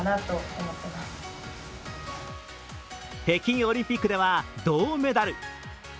北京オリンピックでは銅メダル。